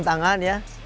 dengan tantangan ya